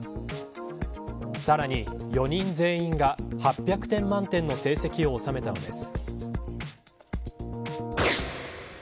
さらに４人全員が８００点満点の成績を収めたのです。